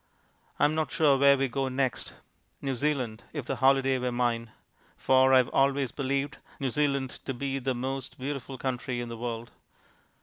I am not sure where we go next. New Zealand, if the holiday were mine; for I have always believed New Zealand to be the most beautiful country in the world.